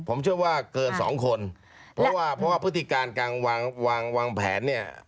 ผมเชื่อว่าเกินสองคนเพราะว่าพฤติการการวางแผนเนี่ย